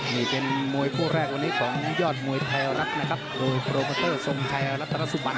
นี่เป็นมวยคู่แรกวันนี้ของยอดมวยไทยรัฐนะครับโดยโปรโมเตอร์ทรงชัยรัตนสุบัน